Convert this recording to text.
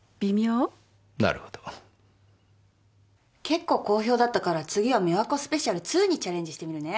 結構好評だったから次は美和子スペシャル２にチャレンジしてみるね。